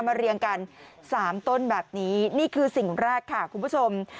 เรียงกันสามต้นแบบนี้นี่คือสิ่งแรกค่ะคุณผู้ชม